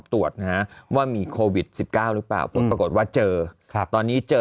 ตรวจนะว่ามีโควิด๑๙หรือเปล่าพอปรากฎว่าเจอครับตอนนี้เจอ